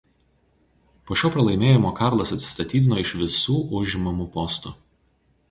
Po šio pralaimėjimo Karlas atsistatydino iš visų užimamų postų.